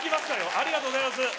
ありがとうございます